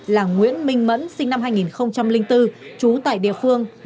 là nguyễn minh mẫn sinh năm hai nghìn bốn trú tại địa phương